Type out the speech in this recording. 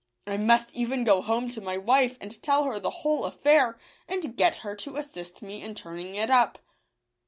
I must even go home to my wife, and tell her the whole affair, and get her to assist me in turning it up."